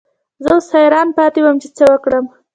زه اوس حیران پاتې وم چې څه وکړم.